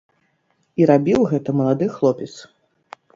І рабіў гэта малады хлопец.